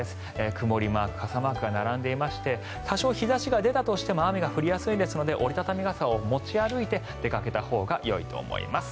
曇りマーク、傘マークが並んでいまして多少、日差しが出たとしても雨が降りやすいですので折り畳み傘を持ち歩いて出かけたほうがよいと思います。